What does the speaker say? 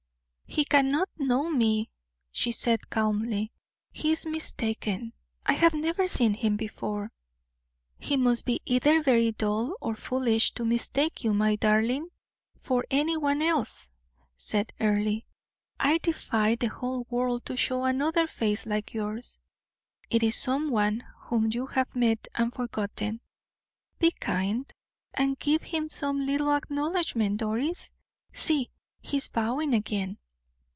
"He cannot know me," she said, calmly; "he is mistaken. I have never seen him before." "He must be either very dull or foolish to mistake you, my darling, for anyone else," said Earle. "I defy the whole world to show another face like yours. It is some one whom you have met and forgotten. Be kind, and give him some little acknowledgment, Doris. See, he is bowing again."